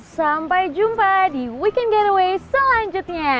sampai jumpa di weekend getaway selanjutnya